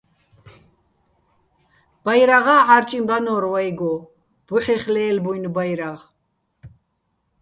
ბაჲრაღა́ ჺა́რჭიჼ ბანო́რ ვაჲგო, ბუჰ̦ეხ ლე́ლბუჲნი ბაჲრაღ.